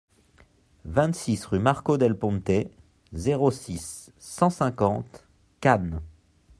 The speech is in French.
vingt-six rue Marco del Ponte, zéro six, cent cinquante Cannes